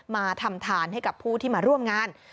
มาทำทานให้กับผู้ที่มาร่วมงาน